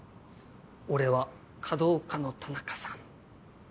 俺は華道家の田中さん。